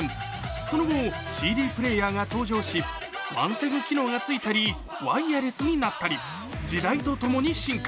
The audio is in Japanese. その後、ＣＤプレーヤーが登場しワンセグ機能がついたり、ワイヤレスになったり、時代と共に進化。